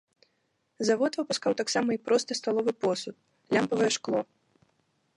Завод выпускаў таксама і просты сталовы посуд, лямпавае шкло.